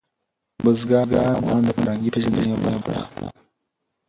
بزګان د افغانانو د فرهنګي پیژندنې یوه برخه ده.